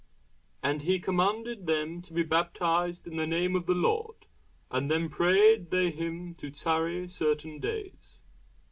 And he commanded them to be baptized in the name of the Lord. Then prayed they him to tarry certain days.